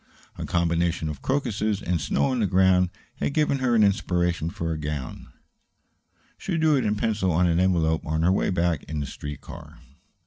A combination of crocuses and snow on the ground had given her an inspiration for a gown. She drew it in pencil on an envelope on her way back in the street car.